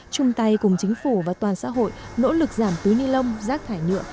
chung tay cùng chính phủ và toàn xã hội nỗ lực giảm túi ni lông rác thải nhựa